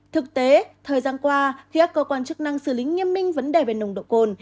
thực tế thời gian qua khi các cơ quan chức năng xử lý nghiêm minh vấn đề về nồng độ cồn